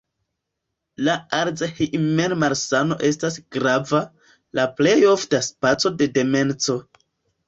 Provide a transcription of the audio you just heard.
La Alzheimer-malsano estas grava, la plej ofta speco de demenco.